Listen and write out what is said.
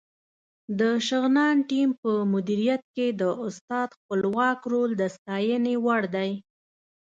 د شغنان ټیم په مدیریت کې د استاد خپلواک رول د ستاینې وړ دی.